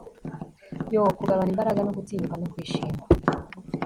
yoo! kugabana imbaraga no gutinyuka no kwishima